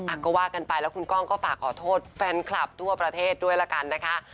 ก็ว่ากันไปแล้วคุณก้องก็ฝากขอโทษแฟนคลับทั่วประเทศด้วยละกันนะคะ